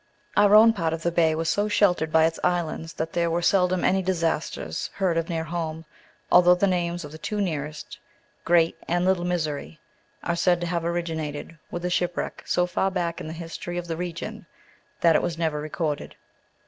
Our own part of the bay was so sheltered by its islands that there were seldom any disasters heard of near home, although the names of the two nearest Great and Little Misery are said to have originated with a shipwreck so far back in the history of the region that it was never recorded.